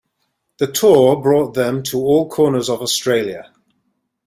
The tour brought them to all corners of Australia.